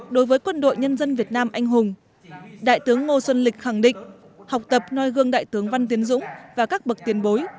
đối với quân đội nhân dân việt nam anh hùng đại tướng ngô xuân lịch khẳng định học tập noi gương đại tướng văn tiến dũng và các bậc tiền bối